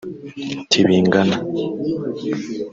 Tibingana